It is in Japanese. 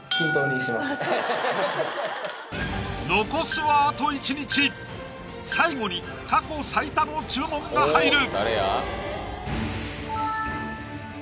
残すはあと１日最後に過去最多の注文が入る